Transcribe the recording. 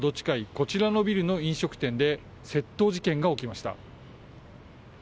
こちらのビルの飲食店で、窃盗事件が起きました。